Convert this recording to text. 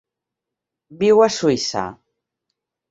Viu a Suïssa.